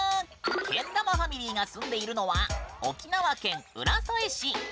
けん玉ファミリーが住んでいるのは沖縄県浦添市。